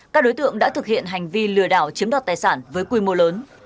các đối tượng đã thực hiện hành vi lừa đảo chiếm đoạt tài sản với quy mô lớn